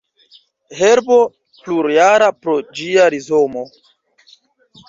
Herbo plurjara pro ĝia rizomo.